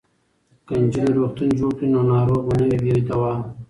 که نجونې روغتون جوړ کړي نو ناروغ به نه وي بې دواه.